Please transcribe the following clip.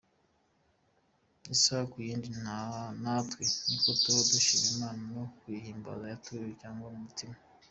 Isaha ku yindi natwe niko tuba dushima Imana no kuyihimbaza twatuye cyangwa ku mutima.